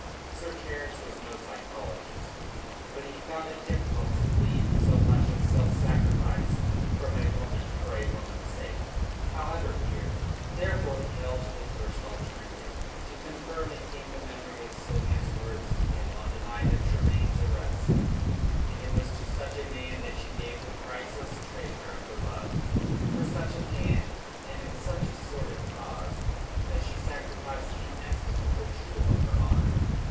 Sir Terence was no psychologist. But he found it difficult to believe in so much of self sacrifice from a woman for a woman's sake, however dear. Therefore he held to the first alternative. To confirm it came the memory of Sylvia's words to him on the night of Tremayne's arrest. And it was to such a man that she gave the priceless treasure of her love; for such a man, and in such a sordid cause, that she sacrificed the inestimable jewel of her honour?